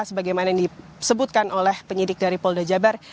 sebagaimana yang disebutkan oleh penyidik dari polda jabar